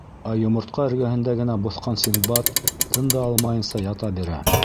Ә йомортҡа эргәһендә генә боҫҡан Синдбад тын да алмайынса ята бирә.